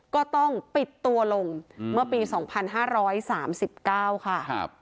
ก็ต้องปิดตัวลงเมื่อปี๒๕๓๙ค่ะ